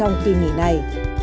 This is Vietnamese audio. trong kỳ nghỉ này